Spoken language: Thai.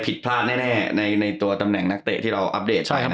ผิดพลาดแน่ในตัวตำแหน่งนักเตะที่เราอัปเดต